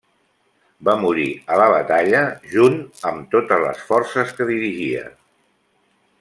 Va morir a la batalla junt amb totes les forces que dirigia.